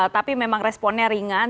tapi memang responnya ringan